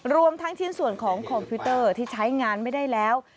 รวมทั้งชิ้นส่วนของคอมพิวเตอร์ที่ใช้งานไม่ได้แล้ว